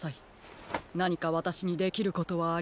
なにかわたしにできることはありますか？